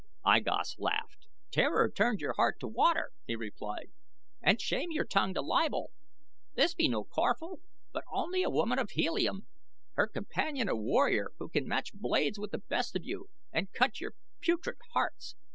I Gos laughed. "Terror turned your heart to water," he replied; "and shame your tongue to libel. This be no Corphal, but only a woman of Helium; her companion a warrior who can match blades with the best of you and cut your putrid hearts.